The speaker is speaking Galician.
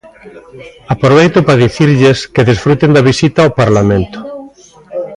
Aproveito para dicirlles que desfruten da visita ao Parlamento.